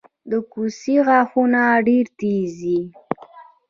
د کوسې غاښونه ډیر تېز دي